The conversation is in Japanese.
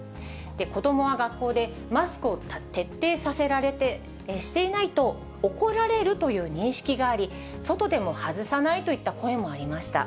子どもは学校でマスクを徹底させられて、していないと怒られるという認識があり、外でも外さないといった声もありました。